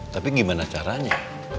tapi gimana caranya